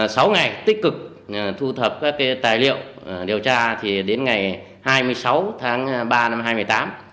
sau ngày tích cực thu thập các tài liệu điều tra đến ngày hai mươi sáu tháng ba năm hai nghìn một mươi tám